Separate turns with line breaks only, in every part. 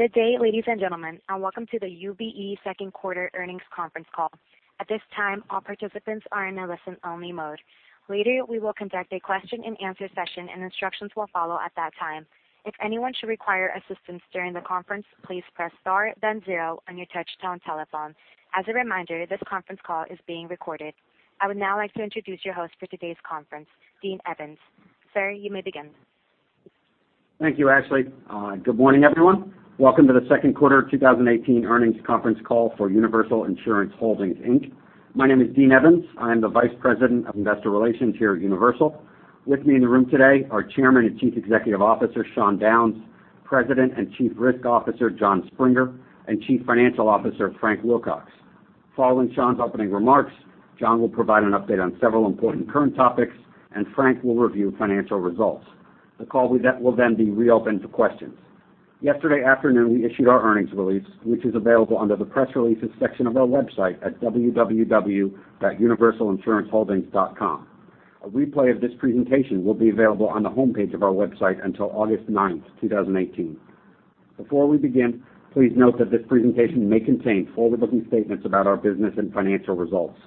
Good day, ladies and gentlemen. Welcome to the UVE second quarter earnings conference call. At this time, all participants are in a listen-only mode. Later, we will conduct a question and answer session, and instructions will follow at that time. If anyone should require assistance during the conference, please press star then zero on your touch-tone telephone. As a reminder, this conference call is being recorded. I would now like to introduce your host for today's conference, Dean Evans. Sir, you may begin.
Thank you, Ashley. Good morning, everyone. Welcome to the second quarter 2018 earnings conference call for Universal Insurance Holdings, Inc. My name is Dean Evans. I am the Vice President of Investor Relations here at Universal. With me in the room today are Chairman and Chief Executive Officer, Sean Downes, President and Chief Risk Officer, Jon Springer, and Chief Financial Officer, Frank Wilcox. Following Sean's opening remarks, Jon will provide an update on several important current topics. Frank will review financial results. The call will be reopened for questions. Yesterday afternoon, we issued our earnings release, which is available under the press releases section of our website at www.universalinsuranceholdings.com. A replay of this presentation will be available on the homepage of our website until August ninth, 2018. Before we begin, please note that this presentation may contain forward-looking statements about our business and financial results.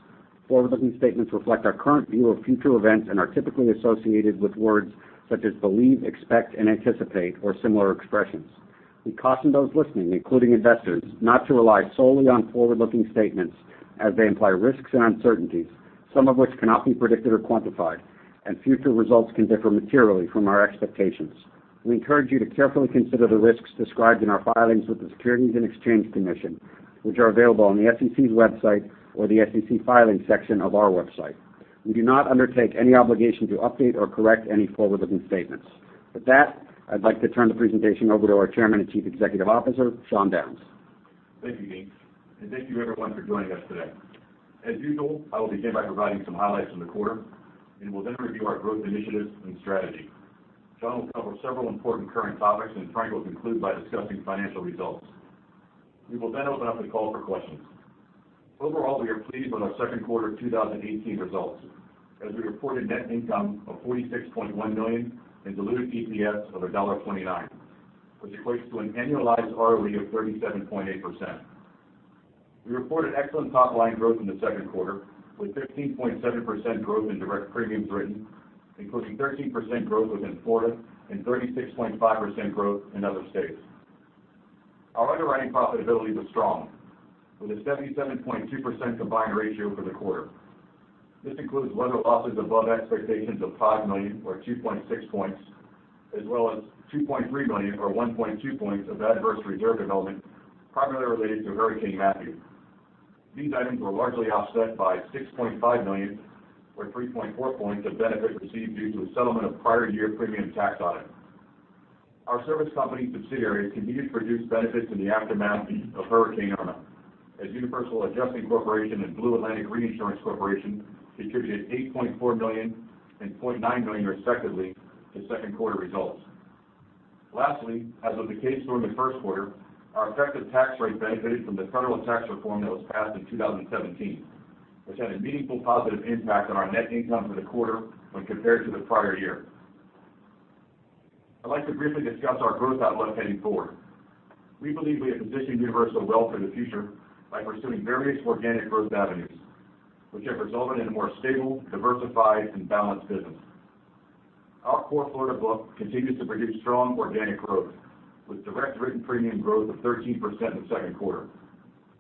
Forward-looking statements reflect our current view of future events and are typically associated with words such as believe, expect, anticipate, or similar expressions. We caution those listening, including investors, not to rely solely on forward-looking statements as they imply risks and uncertainties, some of which cannot be predicted or quantified. Future results can differ materially from our expectations. We encourage you to carefully consider the risks described in our filings with the Securities and Exchange Commission, which are available on the SEC's website or the SEC filings section of our website. We do not undertake any obligation to update or correct any forward-looking statements. I'd like to turn the presentation over to our Chairman and Chief Executive Officer, Sean Downes.
Thank you, Dean. Thank you everyone for joining us today. As usual, I will begin by providing some highlights from the quarter. I will review our growth initiatives and strategy. Jon will cover several important current topics. Frank will conclude by discussing financial results. We will open up the call for questions. Overall, we are pleased with our second quarter 2018 results as we reported net income of $46.1 million and diluted EPS of $1.29, which equates to an annualized ROE of 37.8%. We reported excellent top-line growth in the second quarter with 15.7% growth in direct premiums written, including 13% growth within Florida and 36.5% growth in other states. Our underwriting profitability was strong, with a 77.2% combined ratio for the quarter. This includes weather losses above expectations of $5 million or 2.6 points, as well as $2.3 million or 1.2 points of adverse reserve development primarily related to Hurricane Matthew. These items were largely offset by $6.5 million or 3.4 points of benefit received due to a settlement of prior year premium tax audit. Our service company subsidiaries continued to produce benefits in the aftermath of Hurricane Irma, as Universal Adjusting Corporation and Blue Atlantic Reinsurance Corporation contributed $8.4 million and $0.9 million respectively to second quarter results. Lastly, as was the case during the first quarter, our effective tax rate benefited from the federal tax reform that was passed in 2017, which had a meaningful positive impact on our net income for the quarter when compared to the prior year. I'd like to briefly discuss our growth outlook heading forward. We believe we have positioned Universal well for the future by pursuing various organic growth avenues, which have resulted in a more stable, diversified, and balanced business. Our core Florida book continues to produce strong organic growth, with direct written premium growth of 13% in the second quarter.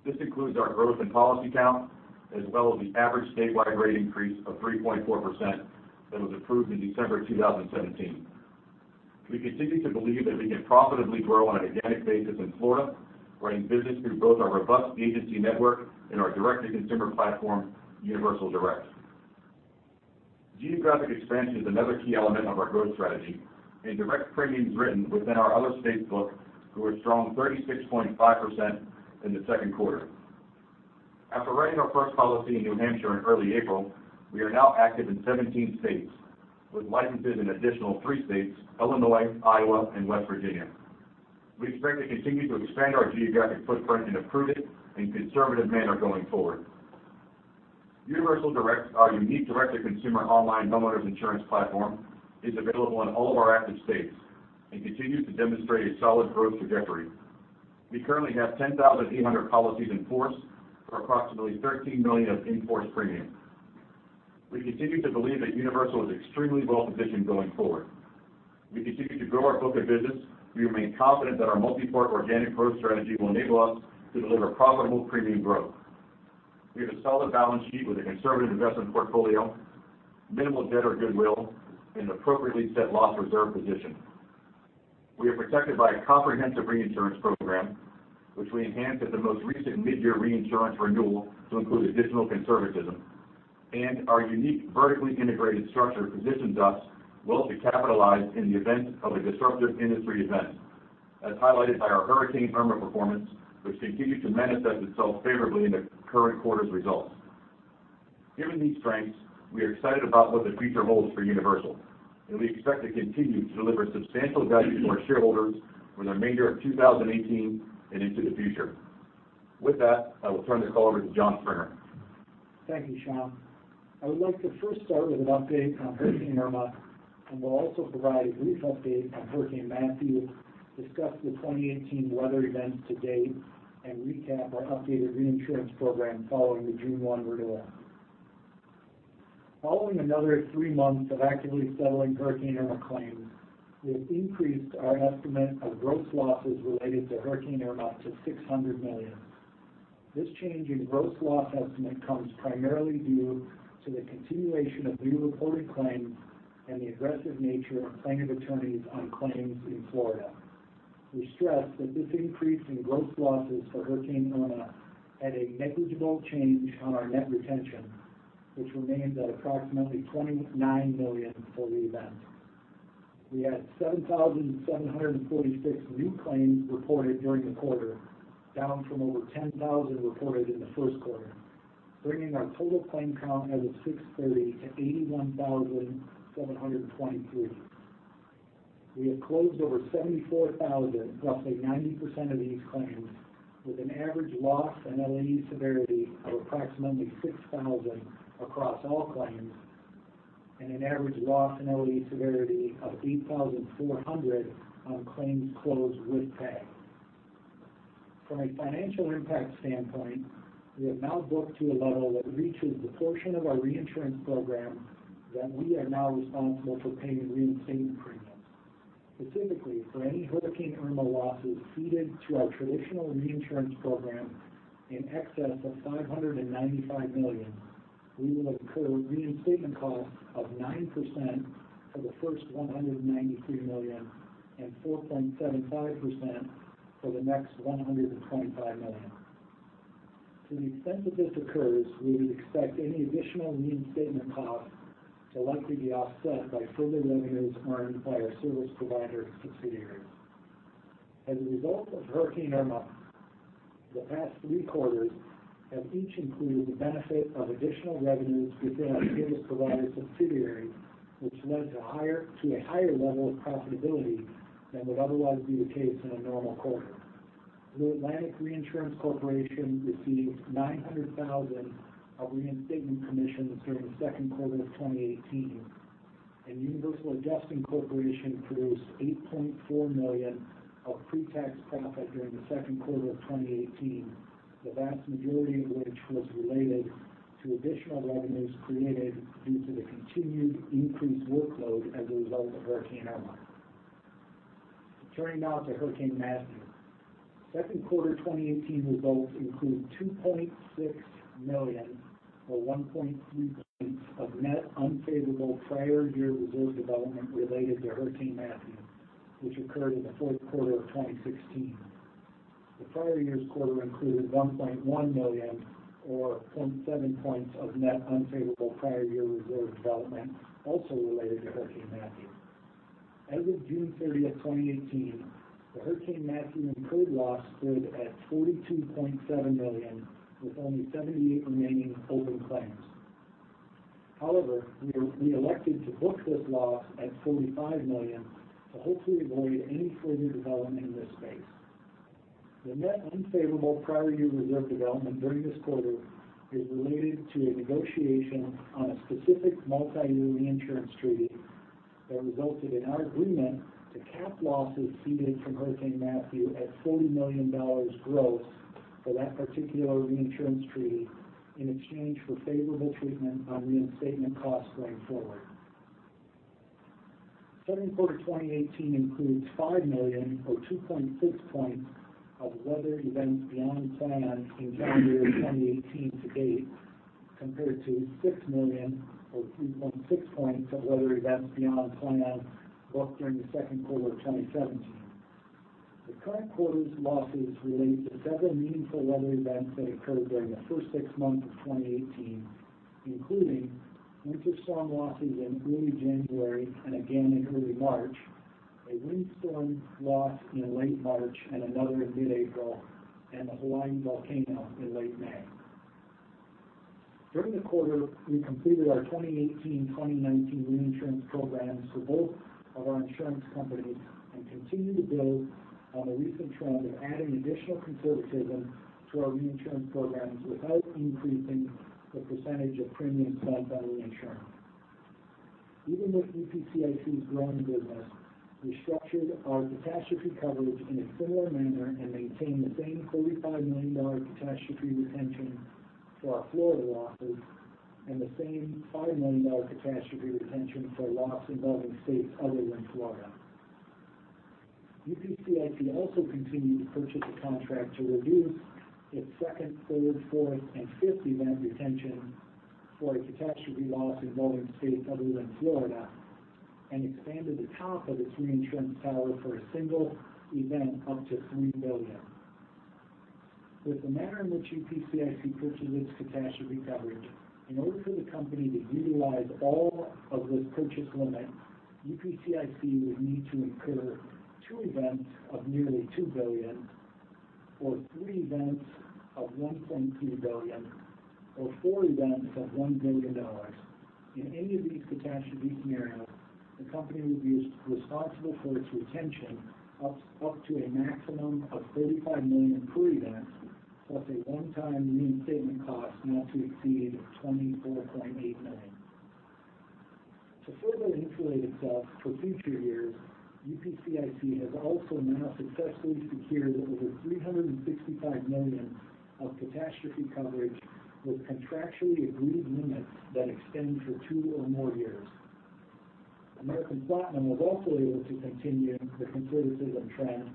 This includes our growth in policy count, as well as the average statewide rate increase of 3.4% that was approved in December 2017. We continue to believe that we can profitably grow on an organic basis in Florida, writing business through both our robust agency network and our direct-to-consumer platform, Universal Direct. Direct premiums written within our other states book grew a strong 36.5% in the second quarter. After writing our first policy in New Hampshire in early April, we are now active in 17 states with licenses in additional three states, Illinois, Iowa, and West Virginia. We expect to continue to expand our geographic footprint in a prudent and conservative manner going forward. Universal Direct, our unique direct-to-consumer online homeowners insurance platform, is available in all of our active states and continues to demonstrate a solid growth trajectory. We currently have 10,800 policies in force for approximately $13 million of in-force premium. We continue to believe that Universal is extremely well-positioned going forward. We continue to grow our book of business. We remain confident that our multi-part organic growth strategy will enable us to deliver profitable premium growth. We have a solid balance sheet with a conservative investment portfolio, minimal debt or goodwill, and appropriately set loss reserve position. We are protected by a comprehensive reinsurance program, which we enhanced at the most recent mid-year reinsurance renewal to include additional conservatism. Our unique vertically integrated structure positions us well to capitalize in the event of a disruptive industry event, as highlighted by our Hurricane Irma performance, which continues to manifest itself favorably in the current quarter's results. Given these strengths, we are excited about what the future holds for Universal. We expect to continue to deliver substantial value to our shareholders for the remainder of 2018 and into the future. With that, I will turn the call over to Jon Springer.
Thank you, Sean. I would like to first start with an update on Hurricane Irma. Will also provide a brief update on Hurricane Matthew, discuss the 2018 weather events to date, and recap our updated reinsurance program following the June 1 renewal. Following another three months of actively settling Hurricane Irma claims, we have increased our estimate of gross losses related to Hurricane Irma to $600 million. This change in gross loss estimate comes primarily due to the continuation of new reported claims and the aggressive nature of plaintiff attorneys on claims in Florida. We stress that this increase in gross losses for Hurricane Irma had a negligible change on our net retention, which remains at approximately $29 million for the event. We had 7,746 new claims reported during the quarter, down from over 10,000 reported in the first quarter, bringing our total claim count as of June 30 to 81,723. We have closed over 74,000, roughly 90% of these claims, with an average loss and LAE severity of approximately $6,000 across all claims, and an average loss and LAE severity of $8,400 on claims closed with pay. From a financial impact standpoint, we have now booked to a level that reaches the portion of our reinsurance program that we are now responsible for paying reinstatement premiums. Specifically, for any Hurricane Irma losses ceded to our traditional reinsurance program in excess of $595 million, we will incur reinstatement costs of 9% for the first $193 million and 4.75% for the next $125 million. To the extent that this occurs, we would expect any additional reinstatement costs to likely be offset by further revenues earned by our service provider subsidiaries. As a result of Hurricane Irma, the past three quarters have each included the benefit of additional revenues within our service provider subsidiaries, which led to a higher level of profitability than would otherwise be the case in a normal quarter. Blue Atlantic Reinsurance Corporation received $900,000 of reinstatement commissions during the second quarter of 2018. Universal Adjusting Corporation produced $8.4 million of pre-tax profit during the second quarter of 2018, the vast majority of which was related to additional revenues created due to the continued increased workload as a result of Hurricane Irma. Turning now to Hurricane Matthew. Second quarter 2018 results include $2.6 million or 1.3 points of net unfavorable prior year reserve development related to Hurricane Matthew, which occurred in the fourth quarter of 2016. The prior year's quarter included $1.1 million or 0.7 points of net unfavorable prior year reserve development, also related to Hurricane Matthew. As of June 30th, 2018, the Hurricane Matthew incurred loss stood at $42.7 million, with only 78 remaining open claims. However, we elected to book this loss at $45 million to hopefully avoid any further development in this space. The net unfavorable prior year reserve development during this quarter is related to a negotiation on a specific multi-year reinsurance treaty that resulted in our agreement to cap losses ceded from Hurricane Matthew at $40 million gross for that particular reinsurance treaty, in exchange for favorable treatment on reinstatement costs going forward. Second quarter 2018 includes $5 million, or 2.6 points of weather events beyond plan in calendar 2018 to date, compared to $6 million or 3.6 points of weather events beyond plan booked during the second quarter of 2017. The current quarter's losses relate to several meaningful weather events that occurred during the first six months of 2018, including winter storm losses in early January and again in early March, a windstorm loss in late March and another in mid-April, and the Hawaiian volcano in late May. During the quarter, we completed our 2018-2019 reinsurance programs for both of our insurance companies and continue to build on the recent trend of adding additional conservatism to our reinsurance programs without increasing the percentage of premiums sold under reinsurance. Even with UPCIC's growing business, we structured our catastrophe coverage in a similar manner and maintained the same $45 million catastrophe retention for our Florida losses and the same $5 million catastrophe retention for losses involving states other than Florida. UPCIC also continued to purchase a contract to reduce its second, third, fourth, and fifth event retention for a catastrophe loss involving states other than Florida and expanded the top of its reinsurance tower for a single event up to $3 billion. With the manner in which UPCIC purchases catastrophe coverage, in order for the company to utilize all of those purchase limits, UPCIC would need to incur two events of nearly $2 billion or three events of $1.2 billion or four events of $1 billion. In any of these catastrophe scenarios, the company would be responsible for its retention up to a maximum of $35 million per event, plus a one-time reinstatement cost not to exceed $24.8 million. To further insulate itself for future years, UPCIC has also now successfully secured over $365 million of catastrophe coverage with contractually agreed limits that extend for two or more years. American Platinum was also able to continue the conservatism trend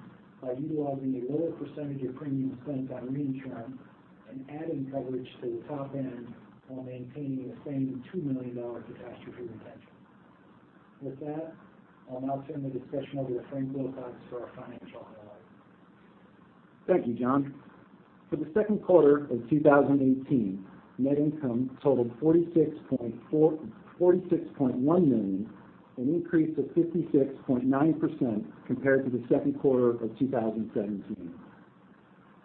by utilizing a lower percentage of premiums spent on reinsurance and adding coverage to the top end while maintaining the same $2 million catastrophe retention. With that, I'll now turn the discussion over to Frank Wilcox for our financial highlights.
Thank you, Jon. For the second quarter of 2018, net income totaled $46.1 million, an increase of 56.9% compared to the second quarter of 2017.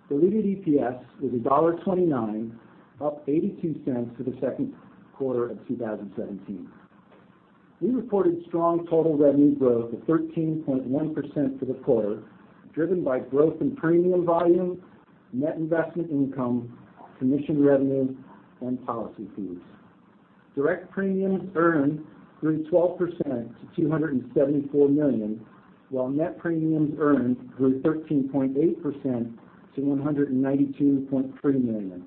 Diluted EPS was $1.29, up $0.82 to the second quarter of 2017. We reported strong total revenue growth of 13.1% for the quarter, driven by growth in premium volume, net investment income, commission revenue, and policy fees. Direct premiums earned grew 12% to $274 million, while net premiums earned grew 13.8% to $192.3 million.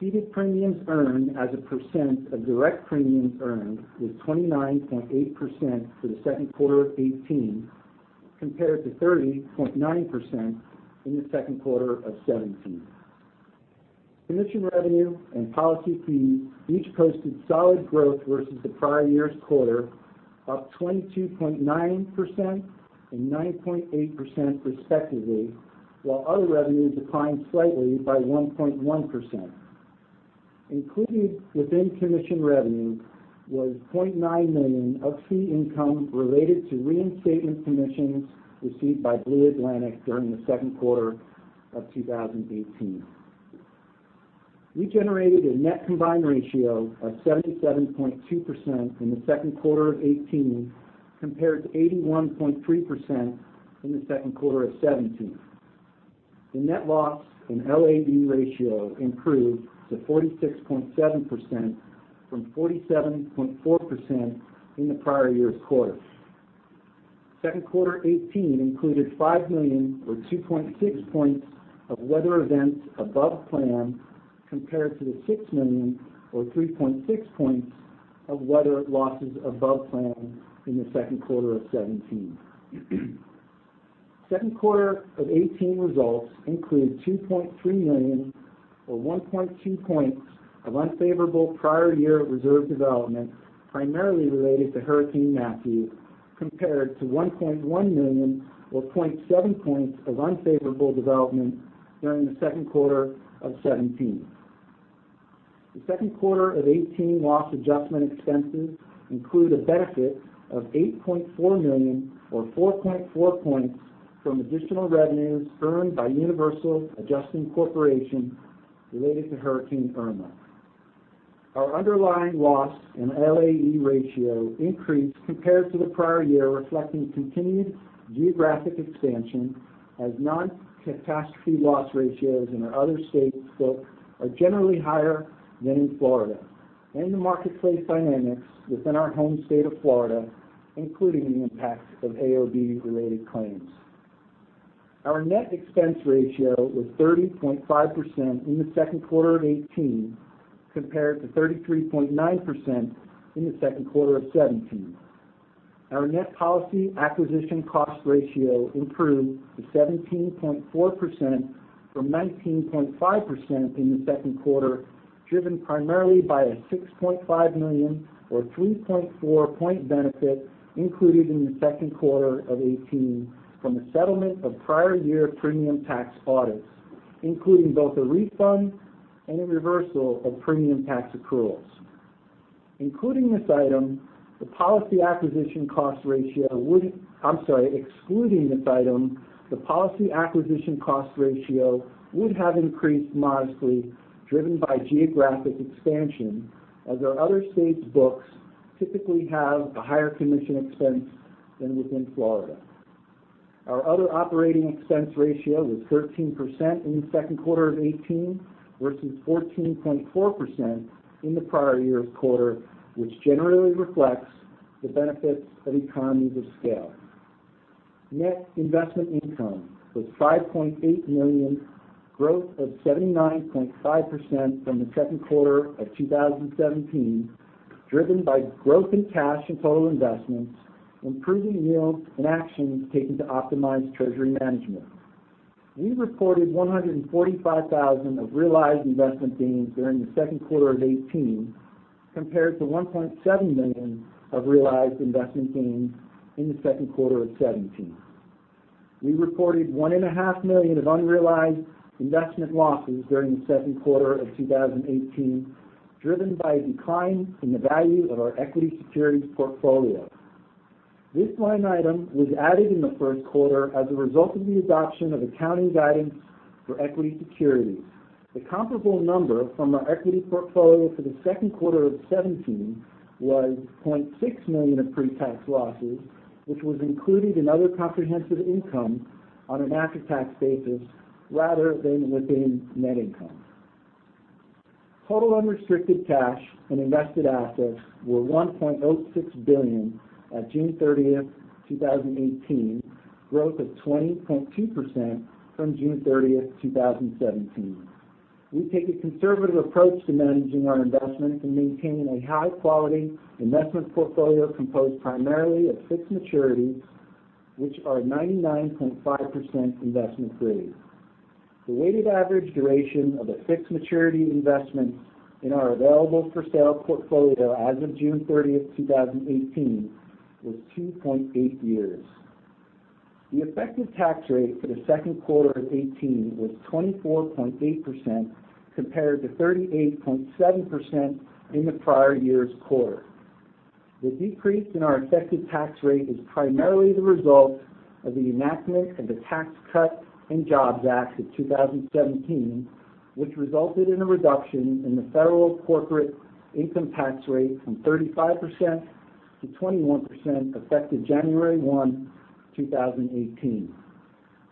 Ceded premiums earned as a percent of direct premiums earned was 29.8% for the second quarter of 2018, compared to 30.9% in the second quarter of 2017. Commission revenue and policy fees each posted solid growth versus the prior year's quarter, up 22.9% and 9.8% respectively, while other revenue declined slightly by 1.1%. Included within commission revenue was $0.9 million of fee income related to reinstatement commissions received by Blue Atlantic during the second quarter of 2018. We generated a net combined ratio of 77.2% in the second quarter of 2018, compared to 81.3% in the second quarter of 2017. The net loss and LAE ratio improved to 46.7% from 47.4% in the prior year's quarter. Second quarter 2018 included $5 million or 2.6 points of weather events above plan, compared to the $6 million or 3.6 points of weather losses above plan in the second quarter of 2017. Second quarter of 2018 results include $2.3 million or 1.2 points of unfavorable prior year reserve development, primarily related to Hurricane Matthew, compared to $1.1 million or 0.7 points of unfavorable development during the second quarter of 2017. The second quarter of 2018 loss adjustment expenses include a benefit of $8.4 million or 4.4 points from additional revenues earned by Universal Adjusting Corporation related to Hurricane Irma. Our underlying loss in LAE ratio increased compared to the prior year, reflecting continued geographic expansion as non-catastrophe loss ratios in our other state scope are generally higher than in Florida, and the marketplace dynamics within our home state of Florida, including the impact of AOB-related claims. Our net expense ratio was 30.5% in the second quarter of 2018, compared to 33.9% in the second quarter of 2017. Our net policy acquisition cost ratio improved to 17.4% from 19.5% in the second quarter, driven primarily by a $6.5 million or 3.4 point benefit included in the second quarter of 2018 from the settlement of prior year premium tax audits, including both a refund and a reversal of premium tax accruals. Excluding this item, the policy acquisition cost ratio would have increased modestly, driven by geographic expansion, as our other states' books typically have a higher commission expense than within Florida. Our other operating expense ratio was 13% in the second quarter of 2018 versus 14.4% in the prior year's quarter, which generally reflects the benefits of economies of scale. Net investment income was $5.8 million, growth of 79.5% from the second quarter of 2017, driven by growth in cash and total investments, improving yields, and actions taken to optimize treasury management. We reported $145,000 of realized investment gains during the second quarter of 2018, compared to $1.7 million of realized investment gains in the second quarter of 2017. We reported $one and a half million of unrealized investment losses during the second quarter of 2018, driven by a decline in the value of our equity securities portfolio. This line item was added in the first quarter as a result of the adoption of accounting guidance for equity securities. The comparable number from our equity portfolio for the second quarter of 2017 was $0.6 million of pre-tax losses, which was included in other comprehensive income on an after-tax basis, rather than within net income. Total unrestricted cash and invested assets were $1.06 billion at June 30th, 2018, growth of 20.2% from June 30th, 2017. We take a conservative approach to managing our investments and maintain a high-quality investment portfolio composed primarily of fixed maturities, which are 99.5% investment grade. The weighted average duration of the fixed maturity investments in our available-for-sale portfolio as of June 30th, 2018, was 2.8 years. The effective tax rate for the second quarter of 2018 was 24.8%, compared to 38.7% in the prior year's quarter. The decrease in our effective tax rate is primarily the result of the enactment of the Tax Cuts and Jobs Act of 2017, which resulted in a reduction in the federal corporate income tax rate from 35% to 21%, effective January 1, 2018.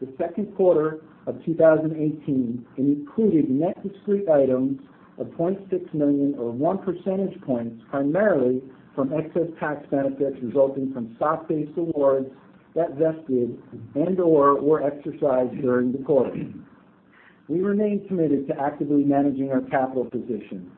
The second quarter of 2018 included net discrete items of $0.6 million or one percentage point, primarily from excess tax benefits resulting from stock-based awards that vested and/or were exercised during the quarter. We remain committed to actively managing our capital position.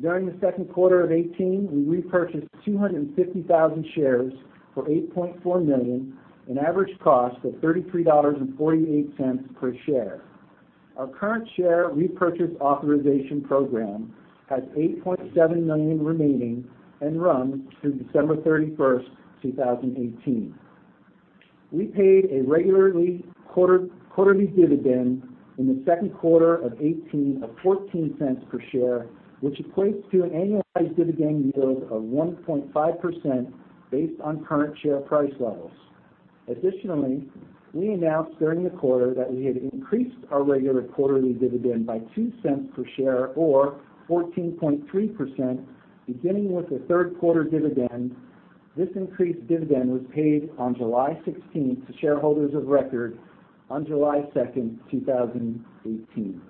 During the second quarter of 2018, we repurchased 250,000 shares for $8.4 million, an average cost of $33.48 per share. Our current share repurchase authorization program has $8.7 million remaining and runs through December 31st, 2018. We paid a regularly quarterly dividend in the second quarter of 2018 of $0.14 per share, which equates to an annualized dividend yield of 1.5%, based on current share price levels. Additionally, we announced during the quarter that we had increased our regular quarterly dividend by $0.02 per share or 14.3%, beginning with the third quarter dividend. This increased dividend was paid on July 16th to shareholders of record on July 2nd, 2018.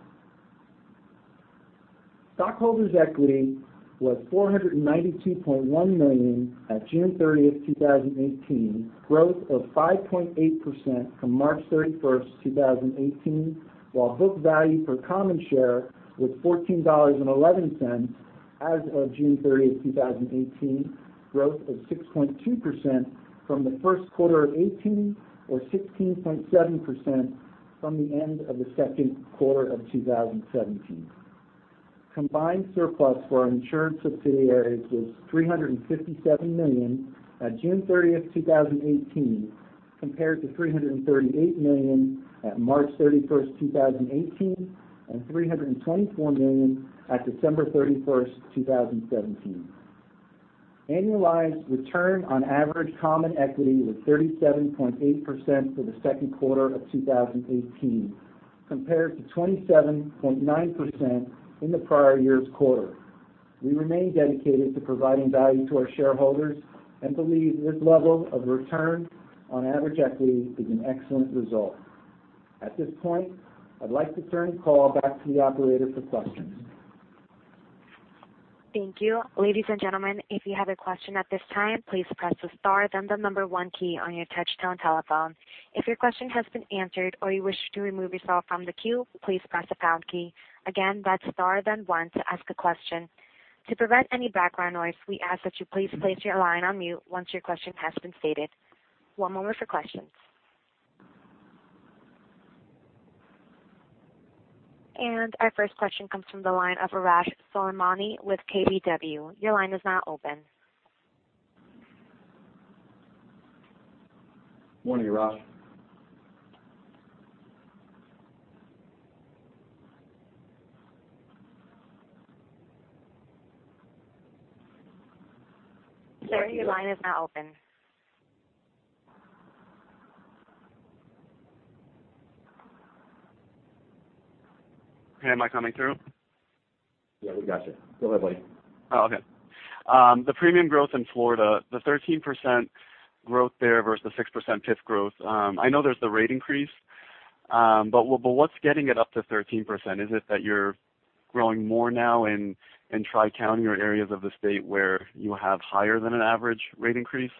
Stockholders' equity was $492.1 million at June 30th, 2018, growth of 5.8% from March 31st, 2018. While book value per common share was $14.11 as of June 30th, 2018, growth of 6.2% from the first quarter of 2018 or 16.7% from the end of the second quarter of 2017. Combined surplus for our insurance subsidiaries was $357 million at June 30th, 2018, compared to $338 million at March 31st, 2018, and $324 million at December 31st, 2017. Annualized return on average common equity was 37.8% for the second quarter of 2018, compared to 27.9% in the prior year's quarter. We remain dedicated to providing value to our shareholders and believe this level of return on average equity is an excellent result. At this point, I'd like to turn the call back to the operator for questions.
Thank you. Ladies and gentlemen, if you have a question at this time, please press the star then the number one key on your touch-tone telephone. If your question has been answered or you wish to remove yourself from the queue, please press the pound key. Again, that's star then one to ask a question. To prevent any background noise, we ask that you please place your line on mute once your question has been stated. One moment for questions. Our first question comes from the line of Arash Soleimani with KBW. Your line is now open.
Morning, Arash.
Sir, your line is now open.
Hey, am I coming through?
Yeah, we got you. Go ahead, buddy.
Oh, okay. The premium growth in Florida, the 13% growth there versus the 6% PIF growth, I know there's the rate increase. What's getting it up to 13%? Is it that you're growing more now in tri-county or areas of the state where you have higher than an average rate increase?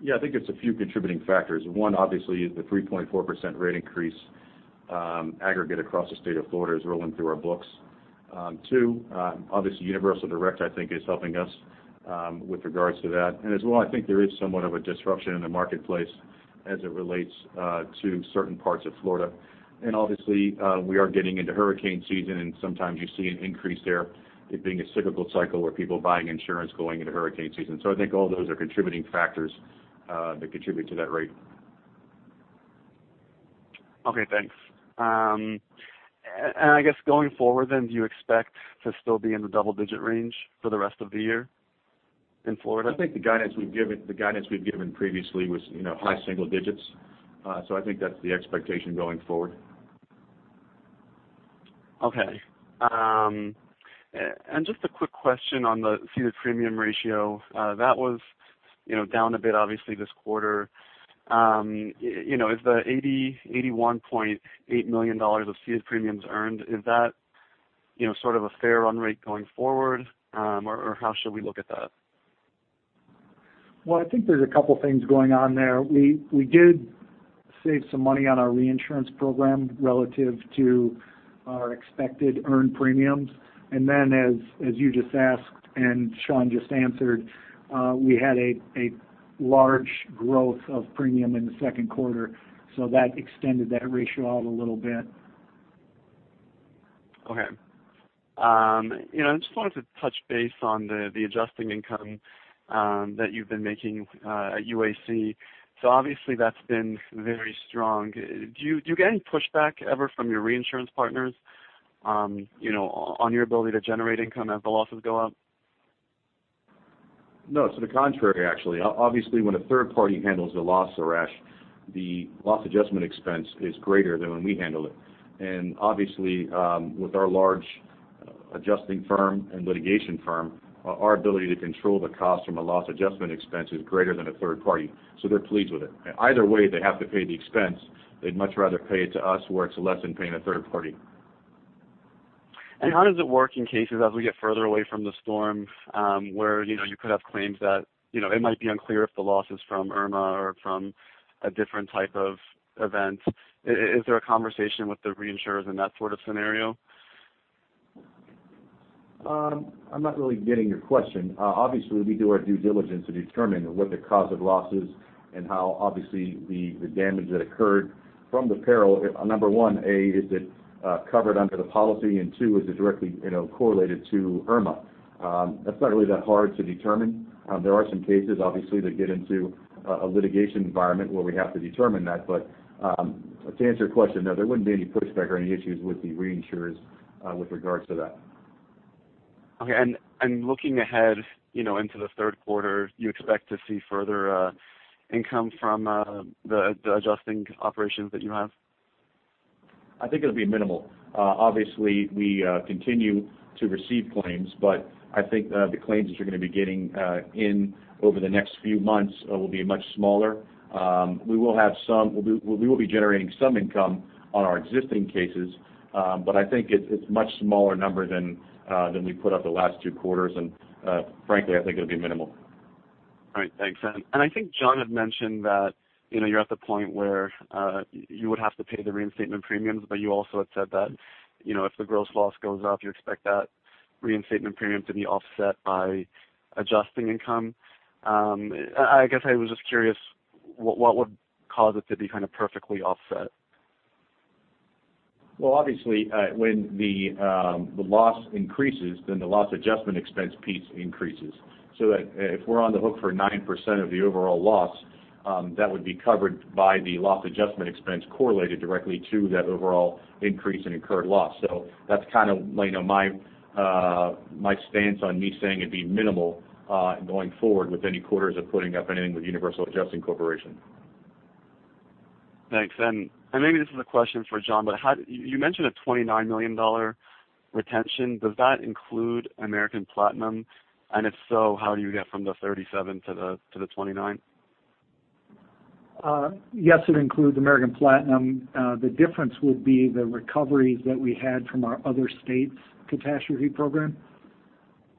Yeah, I think it's a few contributing factors. One, obviously, is the 3.4% rate increase aggregate across the state of Florida is rolling through our books. Two, obviously, Universal Direct, I think, is helping us with regards to that. As well, I think there is somewhat of a disruption in the marketplace as it relates to certain parts of Florida. Obviously, we are getting into hurricane season, and sometimes you see an increase there, it being a cyclical cycle where people buying insurance going into hurricane season. I think all those are contributing factors that contribute to that rate.
Okay, thanks. I guess going forward then, do you expect to still be in the double-digit range for the rest of the year in Florida?
I think the guidance we've given previously was high single digits. I think that's the expectation going forward.
Okay. Just a quick question on the ceded premium ratio. That was down a bit, obviously, this quarter. Is the $81.8 million of ceded premiums earned, is that sort of a fair run rate going forward? How should we look at that?
Well, I think there's a couple of things going on there. We did save some money on our reinsurance program relative to our expected earned premiums. As you just asked and Sean just answered, we had a large growth of premium in the second quarter, so that extended that ratio out a little bit.
Okay. I just wanted to touch base on the adjusting income that you've been making at UAC. Obviously, that's been very strong. Do you get any pushback ever from your reinsurance partners on your ability to generate income as the losses go up?
No, to the contrary, actually. Obviously, when a third party handles the loss, Arash, the loss adjustment expense is greater than when we handle it. Obviously, with our large adjusting firm and litigation firm, our ability to control the cost from a loss adjustment expense is greater than a third party, so they're pleased with it. Either way, they have to pay the expense. They'd much rather pay it to us where it's less than paying a third party.
How does it work in cases as we get further away from the storm, where you could have claims that it might be unclear if the loss is from Hurricane Irma or from a different type of event? Is there a conversation with the reinsurers in that sort of scenario?
I'm not really getting your question. Obviously, we do our due diligence to determine what the cause of loss is and how, obviously, the damage that occurred from the peril. Number 1, A, is it covered under the policy, and 2, is it directly correlated to Hurricane Irma? That's not really that hard to determine. There are some cases, obviously, that get into a litigation environment where we have to determine that. To answer your question, no, there wouldn't be any pushback or any issues with the reinsurers with regards to that.
Okay. Looking ahead into the third quarter, do you expect to see further income from the adjusting operations that you have?
I think it'll be minimal. Obviously, we continue to receive claims, but I think the claims that you're going to be getting in over the next few months will be much smaller. We will be generating some income on our existing cases, but I think it's a much smaller number than we put up the last two quarters. Frankly, I think it'll be minimal.
All right, thanks. I think Jon had mentioned that you're at the point where you would have to pay the reinstatement premiums, you also had said that if the gross loss goes up, you expect that reinstatement premium to be offset by adjusting income. I guess I was just curious, what would cause it to be kind of perfectly offset?
Obviously, when the loss increases, the Loss Adjustment Expense piece increases. If we're on the hook for 9% of the overall loss, that would be covered by the Loss Adjustment Expense correlated directly to that overall increase in incurred loss. That's kind of my stance on me saying it'd be minimal going forward with any quarters of putting up anything with Universal Adjusting Corporation.
Thanks. Maybe this is a question for Jon, but you mentioned a $29 million retention. Does that include American Platinum? If so, how do you get from the 37 to the 29?
Yes, it includes American Platinum. The difference would be the recoveries that we had from our other states' catastrophe program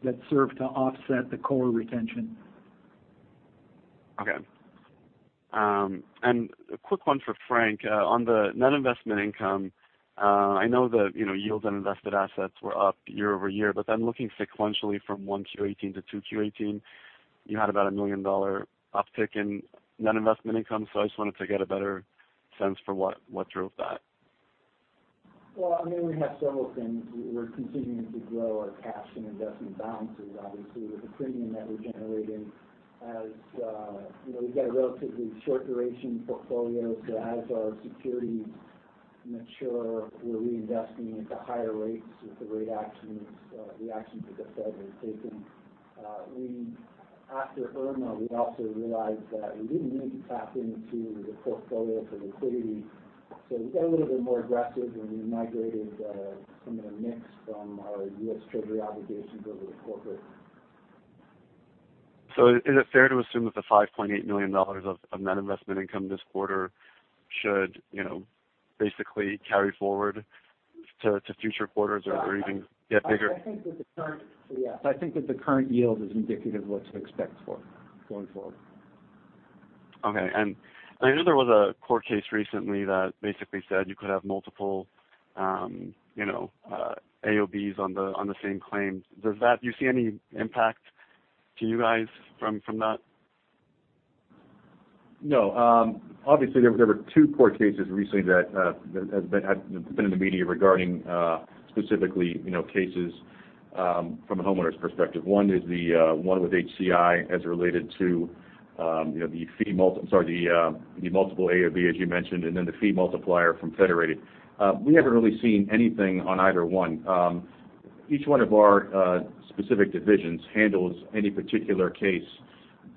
that served to offset the core retention.
A quick one for Frank. On the net investment income, I know that yields on invested assets were up year-over-year, looking sequentially from 1Q18 to 2Q18, you had about a $1 million uptick in net investment income. I just wanted to get a better sense for what drove that.
Well, we have several things. We're continuing to grow our cash and investment balances, obviously, with the premium that we're generating. We've got a relatively short duration portfolio, as our securities mature, we're reinvesting at the higher rates with the rate actions that the Fed has taken. After Hurricane Irma, we also realized that we didn't need to tap into the portfolio for liquidity, we got a little bit more aggressive, and we migrated some of the mix from our US Treasury obligations over to corporate.
Is it fair to assume that the $5.8 million of net investment income this quarter should basically carry forward to future quarters or even get bigger?
Yes. I think that the current yield is indicative of what to expect going forward.
Okay. I know there was a court case recently that basically said you could have multiple AOBs on the same claims. Do you see any impact to you guys from that?
No. Obviously, there were two court cases recently that have been in the media regarding specifically cases from a homeowners perspective. One is the one with HCI as it related to the multiple AOB, as you mentioned, and then the fee multiplier from Federated. We haven't really seen anything on either one. Each one of our specific divisions handles any particular case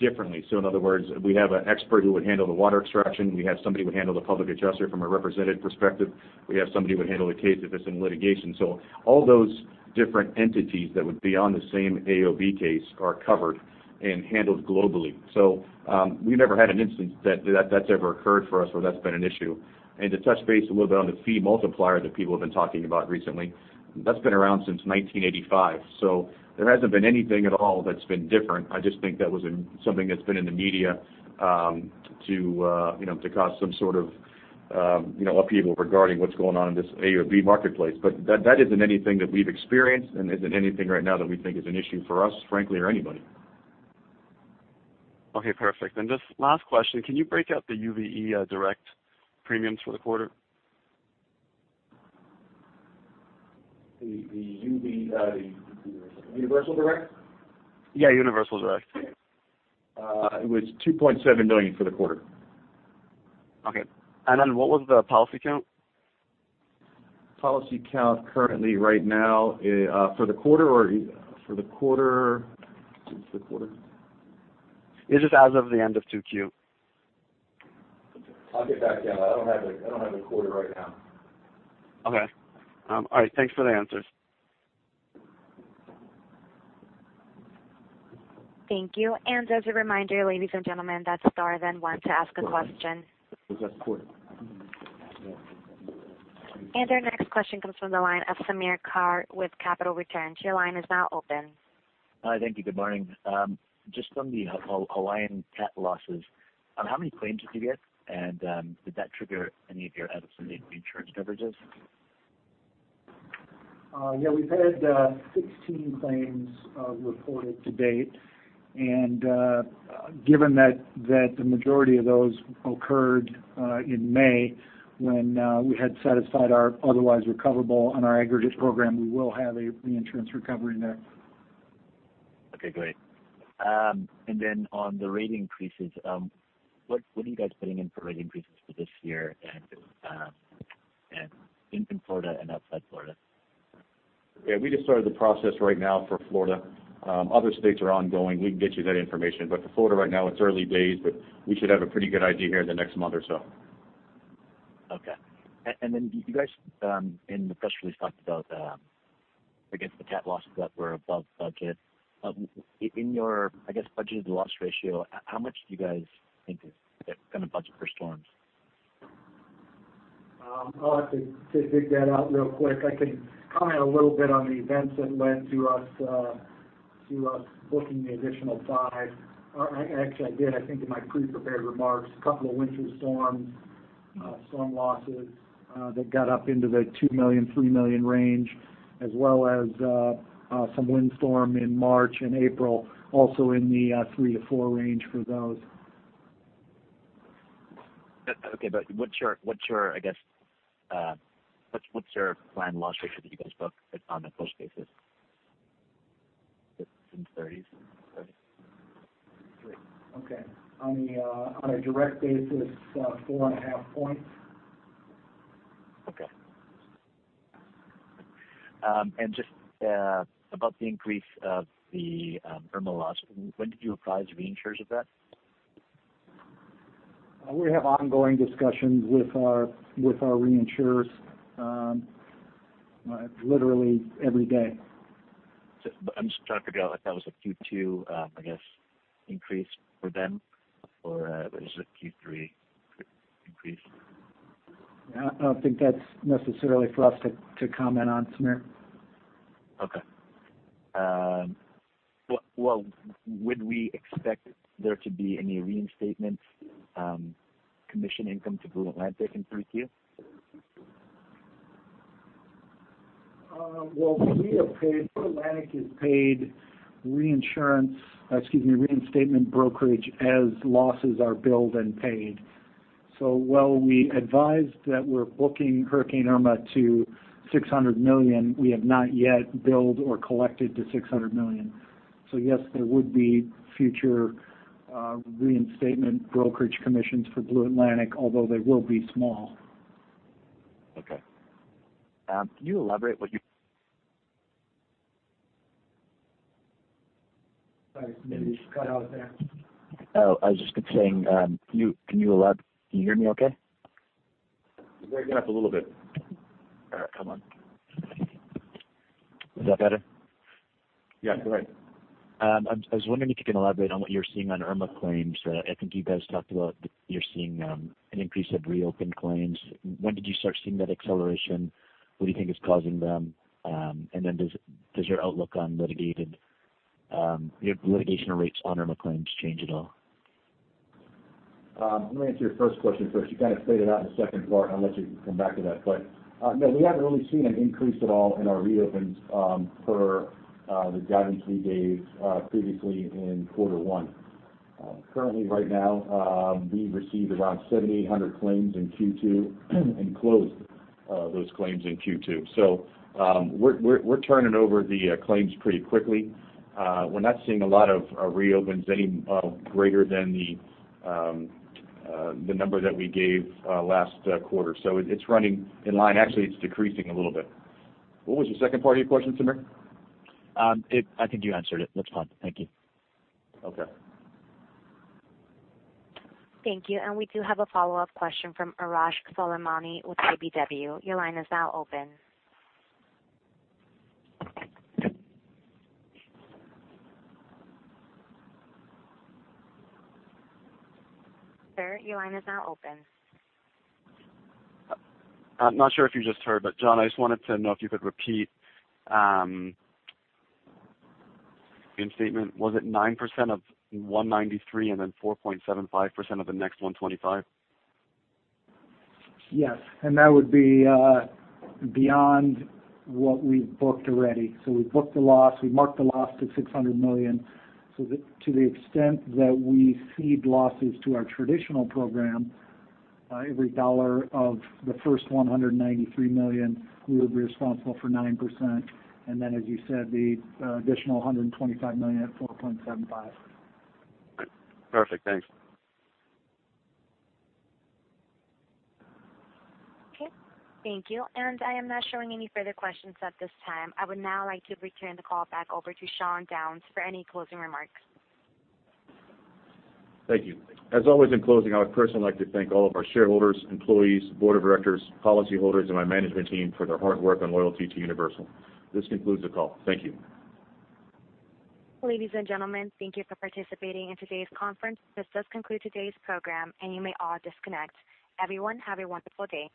differently. In other words, we have an expert who would handle the water extraction. We have somebody who would handle the public adjuster from a represented perspective. We have somebody who would handle the case if it's in litigation. All those different entities that would be on the same AOB case are covered and handled globally. We never had an instance that's ever occurred for us where that's been an issue. To touch base a little bit on the fee multiplier that people have been talking about recently, that's been around since 1985. There hasn't been anything at all that's been different. I just think that was something that's been in the media to cause some sort of upheaval regarding what's going on in this AOB marketplace. That isn't anything that we've experienced and isn't anything right now that we think is an issue for us, frankly, or anybody.
Okay, perfect. Just last question, can you break out the Universal Direct premiums for the quarter?
The Universal Direct?
Yeah, Universal Direct.
It was $2.7 million for the quarter.
Okay. What was the policy count?
Policy count currently right now, for the quarter or? For the quarter. Since the quarter.
Just as of the end of 2Q.
I'll get back to you on that. I don't have the quarter right now.
Okay. All right. Thanks for the answers.
Thank you. As a reminder, ladies and gentlemen, that's star then one to ask a question.
Was that the quarter?
Our next question comes from the line of Samir Khare with Capital Returns. Your line is now open.
Hi. Thank you. Good morning. Just on the Hawaiian cat losses, how many claims did you get? Did that trigger any of your 18 reinsurance coverages?
Yeah, we've had 16 claims reported to date. Given that the majority of those occurred in May, when we had satisfied our otherwise recoverable on our aggregate program, we will have a reinsurance recovery there.
Okay, great. On the rate increases, what are you guys putting in for rate increases for this year, in Florida and outside Florida?
Yeah, we just started the process right now for Florida. Other states are ongoing. We can get you that information. For Florida right now, it's early days, but we should have a pretty good idea here in the next month or so.
Okay. You guys in the press release talked about, I guess, the cat losses that were above budget. In your, I guess, budgeted loss ratio, how much do you guys think you're going to budget for storms?
I'll have to dig that out real quick. I can comment a little bit on the events that led to us booking the additional $5 million. Actually, I did, I think in my pre-prepared remarks, a couple of winter storm losses that got up into the $2 million-$3 million range, as well as some windstorm in March and April, also in the $3 million-$4 million range for those.
Okay, what's your, I guess, planned loss ratio that you guys book on a push basis? Is it in 30s%?
Okay. On a direct basis, 4.5 points.
Okay. Just about the increase of the Hurricane Irma loss, when did you advise reinsurers of that?
We have ongoing discussions with our reinsurers literally every day.
I'm just trying to figure out if that was a Q2, I guess, increase for them, or was it a Q3 increase?
I don't think that's necessarily for us to comment on, Samir.
Okay. Would we expect there to be any reinstatements commission income to Blue Atlantic in 3Q?
Well, we have paid, Blue Atlantic is paid reinsurance, excuse me, reinstatement brokerage as losses are billed and paid. While we advised that we're booking Hurricane Irma to $600 million, we have not yet billed or collected the $600 million. Yes, there would be future reinstatement brokerage commissions for Blue Atlantic, although they will be small.
Okay. Can you elaborate what
Sorry, Samir, you just cut out there.
Oh, I was just saying, can you hear me okay?
You're breaking up a little bit.
All right. Hold on. Is that better?
Yeah, you're all right.
I was wondering if you can elaborate on what you're seeing on Irma claims. I think you guys talked about that you're seeing an increase of reopened claims. When did you start seeing that acceleration? What do you think is causing them? Does your outlook on litigator rates on Irma claims change at all?
Let me answer your first question first. You kind of faded out in the second part. I'll let you come back to that. No, we haven't really seen an increase at all in our reopens per the guidance we gave previously in quarter one. Currently right now, we've received around 700 to 800 claims in Q2 and closed those claims in Q2. We're turning over the claims pretty quickly. We're not seeing a lot of reopens any greater than the number that we gave last quarter. It's running in line. Actually, it's decreasing a little bit. What was your second part of your question, Samir?
I think you answered it. That's fine. Thank you.
Okay.
Thank you. We do have a follow-up question from Arash Soleimani with KBW. Your line is now open. Sir, your line is now open.
I'm not sure if you just heard, Jon, I just wanted to know if you could repeat the statement. Was it 9% of 193 and then 4.75% of the next 125?
Yes. That would be beyond what we've booked already. We've booked the loss, we marked the loss at $600 million. To the extent that we cede losses to our traditional program, every dollar of the first $193 million, we would be responsible for 9%. As you said, the additional $125 million at 4.75%.
Perfect. Thanks.
Okay. Thank you. I am not showing any further questions at this time. I would now like to return the call back over to Sean Downes for any closing remarks.
Thank you. As always, in closing, I would personally like to thank all of our shareholders, employees, board of directors, policyholders, and my management team for their hard work and loyalty to Universal. This concludes the call. Thank you.
Ladies and gentlemen, thank you for participating in today's conference. This does conclude today's program, and you may all disconnect. Everyone, have a wonderful day.